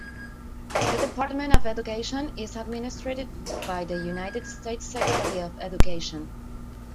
The Department of Education is administered by the United States Secretary of Education.